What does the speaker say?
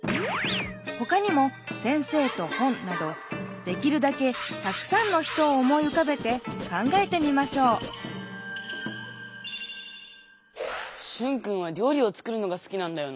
ほかにも「先生と本」などできるだけたくさんの人を思いうかべて考えてみましょうシュンくんはりょうりを作るのがすきなんだよなぁ。